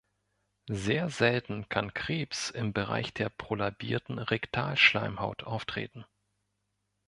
Sehr selten kann Krebs im Bereich der prolabierten Rektalschleimhaut auftreten.